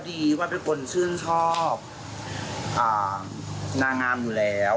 ดีว่าเป็นคนชื่นชอบนางงามอยู่แล้ว